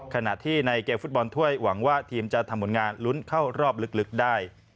ขณะที่ในเกมฟุตบอลถ้วยหวังว่าทีมจะทำผลงานลุ้นเข้ารอบลึกได้